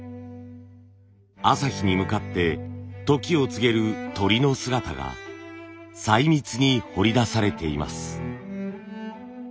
朝日に向かって時を告げる鳥の姿が細密に彫り出されています。